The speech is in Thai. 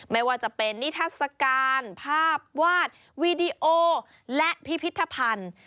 ไม่ว่าจะเป็นนิทัศกาลภาพวาดวีดีโอและพิพิธภัณฑ์